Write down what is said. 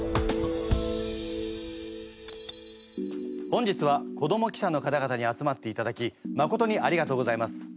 本日は子ども記者の方々に集まっていただきまことにありがとうございます。